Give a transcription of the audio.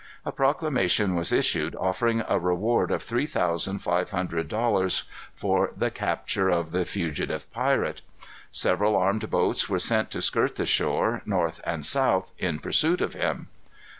A proclamation was issued offering a reward of three thousand five hundred dollars for the capture of the fugitive pirate. Several armed boats were sent to skirt the shore, north and south, in pursuit of him.